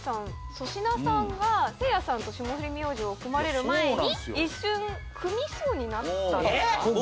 粗品さんがせいやさんと霜降り明星を組まれる前に一瞬組みそうになったんですか？